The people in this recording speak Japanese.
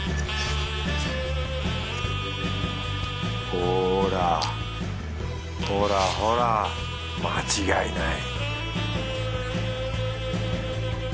ほらほらほら間違いない